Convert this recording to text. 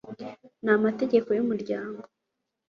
n Amategeko y Umuryango